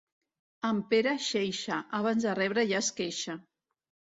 En Pere Xeixa, abans de rebre ja es queixa.